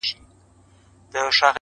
مخامخ وتراشل سوي بت ته گوري؛